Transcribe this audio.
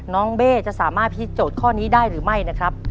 เบ้จะสามารถพิธีโจทย์ข้อนี้ได้หรือไม่นะครับ